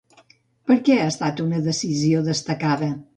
Per què ha estat una decisió destacada?